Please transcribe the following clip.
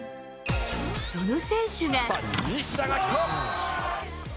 その選手が。